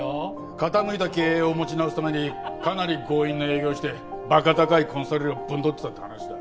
傾いた経営を持ち直すためにかなり強引な営業をして馬鹿高いコンサル料ぶんどってたって話だ。